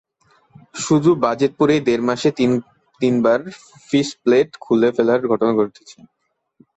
শুধু বাজিতপুরেই দেড় মাসে তিন তিনবার ফিশপ্লেট খুলে ফেলার ঘটনা ঘটেছে।